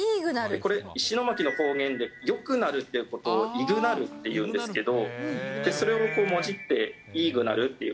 これ石巻の方言で、よくなるっていうことを、いぐなるって言うんですけど、それをもじって、イーグナルっていう。